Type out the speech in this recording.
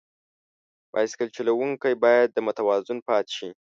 بایسکل چلوونکی باید متوازن پاتې شي.